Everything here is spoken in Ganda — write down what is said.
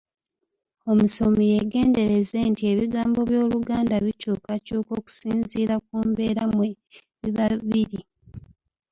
Omusomi yeegendereze nti ebigambo by’Oluganda bikyukakyuka okusinziira ku mbeera mwe biba biri.